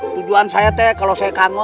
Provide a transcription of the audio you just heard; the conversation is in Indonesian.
tujuan saya teh kalau saya kangen